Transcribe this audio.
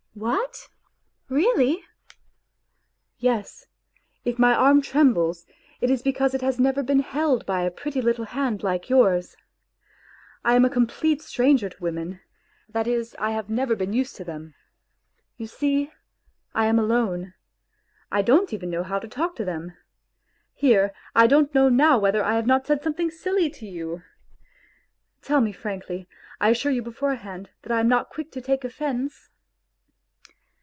"What? Really? ..."" Yes ; if my arm trembles, it is because it hag nevgj JbefinJield by a pretty" littIe~^rarnl"liTEe JJ^ours. I am a complete stranger to "women; that Ts^T" Have nftvftr J^ftnjigpd1o~t.TiRTn . _Yau see, I am atee r r r i~doTi'*t evelTEnovFEow to talk to them. Here, I don't know now whether I have not said something silly to you ! Tell me frankly; I assure you beforehand that I am not quick to take offence